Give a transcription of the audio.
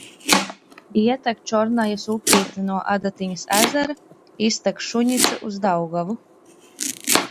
Ietek Čornajas upīte no Adatiņas ezera, iztek Šuņica uz Daugavu.